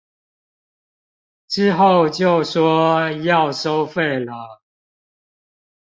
之後就說要收費了